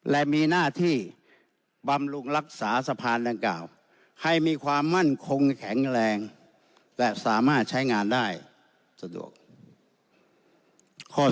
และมีหน้าที่บำรุงรักษาสะพานดังกล่าวให้มีความมั่นคงแข็งแรงและสามารถใช้งานได้สะดวก